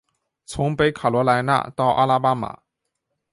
从北卡罗来纳到阿拉巴马。